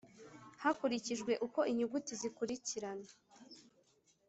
hakurikijwe uko inyuguti zikurikirana